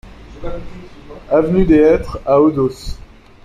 Avenue des Hêtres à Odos